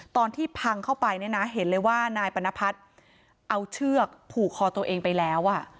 ตอนที่พังเข้าไปเนี่ยนะเห็นเลยว่านายปนพัฒน์เอาเชือกผูกคอตัวเองไปแล้ว